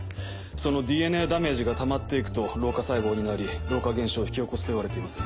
そのＤＮＡダメージがたまって行くと老化細胞になり老化現象を引き起こすといわれています。